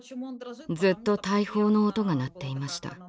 ずっと大砲の音が鳴っていました。